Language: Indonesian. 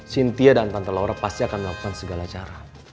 sintia dan tante lore pasti akan melakukan segala cara